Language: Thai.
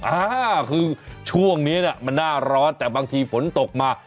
อ่าคือช่วงนี้น่ะมันหน้าร้อนแต่บางทีฝนตกมา